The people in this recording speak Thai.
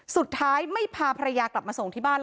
สุดท้ายไม่พาภรรยากลับมาส่งที่บ้าน